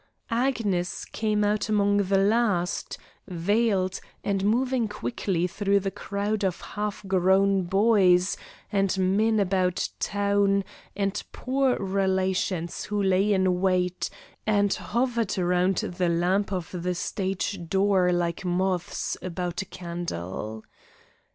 Agnes came out among the last, veiled, and moving quickly through the crowd of half grown boys, and men about town, and poor relations who lay in wait and hovered around the lamp over the stage door like moths about a candle.